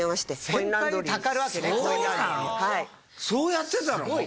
そうやってたの？